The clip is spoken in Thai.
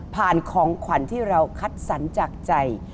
ของขวัญที่เราคัดสรรจากใจ